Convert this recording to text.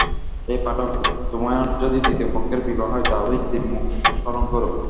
হে পাঠক, তোমার যদি দ্বিতীয় পক্ষের বিবাহ হয় তবে স্ত্রীর মুখ স্মরণ করো।